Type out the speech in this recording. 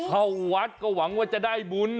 เข้าวัดก็หวังว่าจะได้บุญ